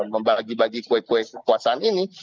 membagi bagi kue kue kekuasaan ini